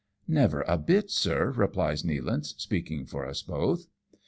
" Never a bit, sir," replies Nealance, speaking for us both.